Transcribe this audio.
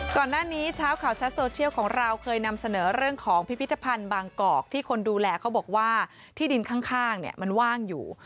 ก่อนหน้านี้เช้าข่าวชัดโซเชียลของเราเคยนำเสนอเรื่องของพิพิธภัณฑ์บางกอกที่คนดูแลเขาบอกว่าที่ดินข้างเนี่ยมันว่างอยู่